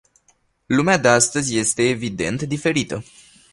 Lumea de astăzi este, evident, diferită.